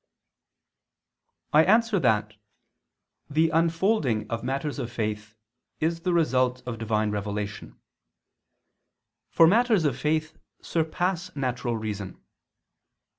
I answer that, The unfolding of matters of faith is the result of Divine revelation: for matters of faith surpass natural reason.